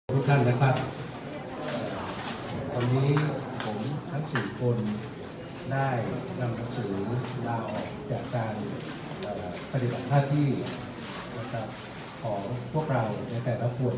ทุกท่านนะครับตอนนี้ผมทั้ง๔คนได้นำสัญญาณของเราจากการปฏิบัติภาพที่ของพวกเราในแต่ละฝน